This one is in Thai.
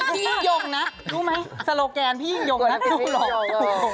พี่หยงนะรู้ไหมสโลแกนพี่หยงนะพี่หยง